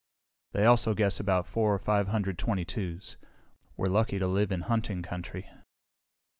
They also guess about four or five hundred 22's. We're lucky to live in hunting country.